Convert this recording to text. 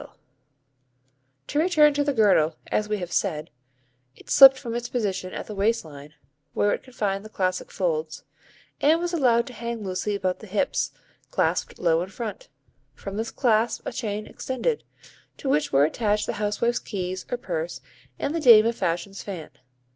[Illustration: Mrs. Condé Nast in Garden Costume] To return to the girdle, as we have said, it slipped from its position at the waist line, where it confined the classic folds, and was allowed to hang loosely about the hips, clasped low in front. From this clasp a chain extended, to which were attached the housewife's keys or purse and the dame of fashion's fan.